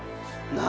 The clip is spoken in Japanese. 何？